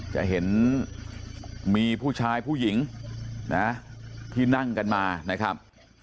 จะเห็นมีผู้ชายผู้หญิงนะที่นั่งกันมานะครับ